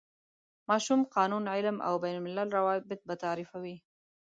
ماشوم، قانون، علم او بین الملل روابط به تعریفوي.